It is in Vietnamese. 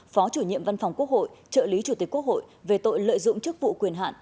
phó chủ nhiệm văn phòng quốc hội trợ lý chủ tịch quốc hội về tội lợi dụng chức vụ quyền hạn